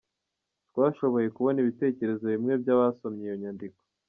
Twashoboye kubona ibitekerezo bimwe by’abasomye iyo nyandiko: